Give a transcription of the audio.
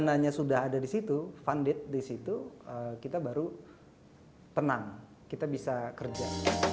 karena sudah ada di situ funded di situ kita baru tenang kita bisa kerja